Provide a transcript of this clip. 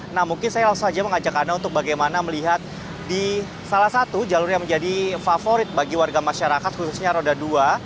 nah mungkin saya langsung saja mengajak anda untuk bagaimana melihat di salah satu jalur yang menjadi favorit bagi warga masyarakat khususnya roda dua